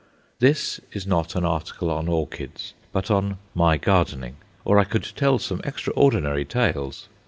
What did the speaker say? This is not an article on orchids, but on "My Gardening," or I could tell some extraordinary tales.